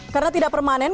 karena tidak permanen